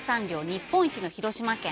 日本一の広島県。